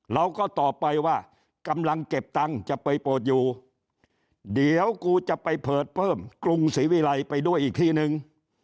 เราก็ตอบไปว่ากำลังเก็บตังค์จะไปเปิดอยู่เดี๋ยวกูจะไปเปิดเพิ่มกรุงศรีวิรัยไปด้วยอีกทีนึง